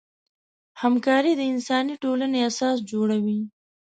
همکاري د انساني ټولنې اساس جوړوي.